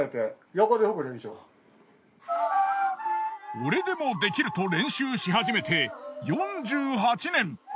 俺でもできると練習しはじめて４８年。